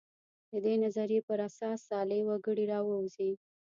د دې نظریې پر اساس صالح وګړي راووځي.